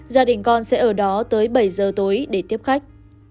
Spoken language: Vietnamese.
gia đình con sẽ ở đó tới bảy giờ tối để tiếp khách